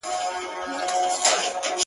هسي نه چي ستا په لاره کي اغزی سي٫